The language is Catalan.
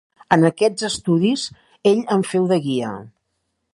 En aquests estudis, ell em feu de guia.